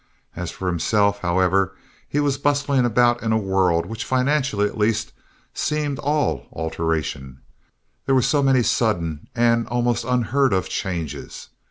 As for himself, however, he was bustling about in a world which, financially at least, seemed all alteration—there were so many sudden and almost unheard of changes.